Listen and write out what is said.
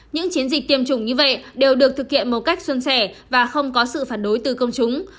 những chiến dịch tiêm chủng như vậy đều được thực hiện một cách xuân sẻ và không có sự phản đối từ công chúng